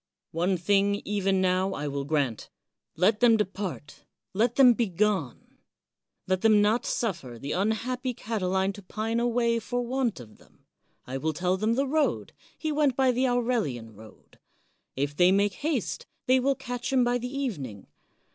One thing, even now, I will grant — let them .depart, let them begone. Let them not suffer the unhappy Catiline to pine away for want of them. I will tell them the road. He went by the Aurelian road. If they make haste, they will catch him by the evening.